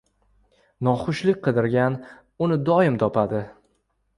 • Noxushlik qidirgan uni doim topadi.